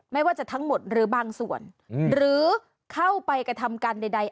ไม่ว่าจะทั้งหมดหรือบางส่วนหรือเข้าไปกระทำการใด